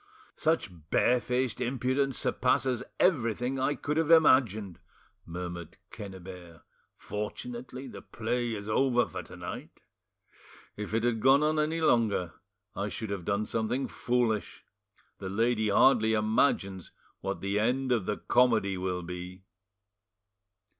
"Such barefaced impudence surpasses everything I could have imagined!" murmured Quennebert: "fortunately, the play is over for to night; if it had gone on any longer, I should have done something foolish. The lady hardly imagines what the end of the comedy will be."